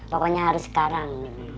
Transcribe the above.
pokoknya harus sekarang